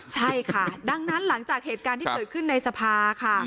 ใช่ค่ะดังนั้นหลังจากเหตุการณ์ที่เกิดขึ้นในสภาค่ะ